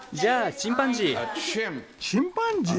チンパンジー？